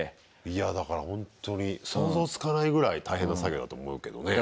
いやだからほんとに想像つかないぐらい大変な作業だと思うけどね。